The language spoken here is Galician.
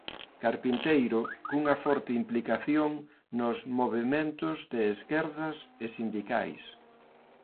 Carpinteiro cunha forte implicación nos movementos de esquerdas e sindicais.